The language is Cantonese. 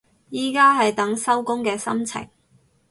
而家係等收工嘅心情